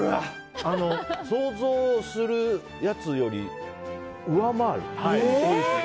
想像するやつより上回る。